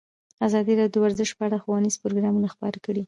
ازادي راډیو د ورزش په اړه ښوونیز پروګرامونه خپاره کړي.